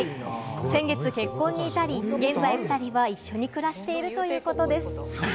先月、結婚に至り、現在、２人は一緒に暮らしているということです。